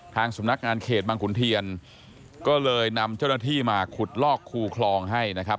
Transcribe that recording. ทางสำนักงานเขตบางขุนเทียนก็เลยนำเจ้าหน้าที่มาขุดลอกคูคลองให้นะครับ